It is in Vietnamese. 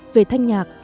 về thanh nhạc